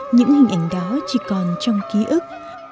những hình ảnh đó chỉ còn trong ký ức